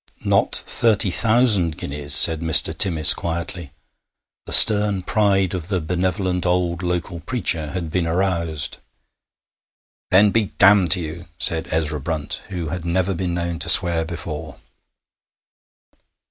'Not thirty thousand guineas,' said Mr. Timmis quietly; the stern pride of the benevolent old local preacher had been aroused. 'Then be damned to you!' said Ezra Brunt, who had never been known to swear before.